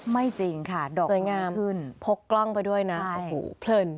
จริงค่ะดอกไม้งามขึ้นพกกล้องไปด้วยนะโอ้โหเพลิน